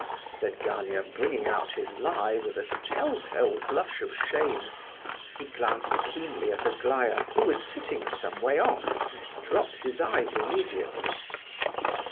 said Gania, bringing out his lie with a tell tale blush of shame. He glanced keenly at Aglaya, who was sitting some way off, and dropped his eyes immediately.